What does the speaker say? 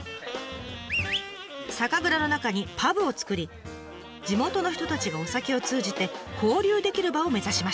酒蔵の中にパブを作り地元の人たちがお酒を通じて交流できる場を目指しました。